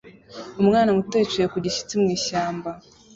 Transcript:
Umwana muto yicaye ku gishyitsi mu ishyamba